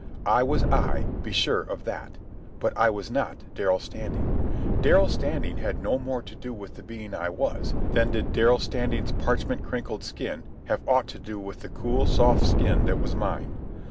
I was I, be sure of that. But I was not Darrell Standing. Darrell Standing had no more to do with the being I was than did Darrell Standing's parchment crinkled skin have aught to do with the cool, soft skin that was mine.